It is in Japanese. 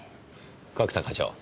角田課長